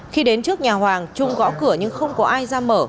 khi đến trước nhà hoàng trung gõ cửa nhưng không có ai ra mở